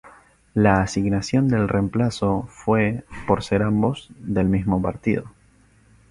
La asignación del reemplazo fue por ser ambos del mismo partido.